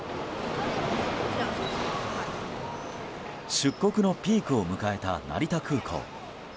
出国のピークを迎えた成田空港。